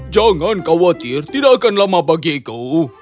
jangan khawatir tidak akan lama bagiku